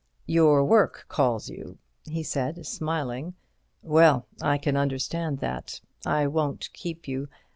"Your work calls you?" he said smiling. "Well, I can understand that. I won't keep you.